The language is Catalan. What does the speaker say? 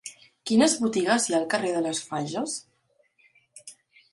Quines botigues hi ha al carrer de les Fages?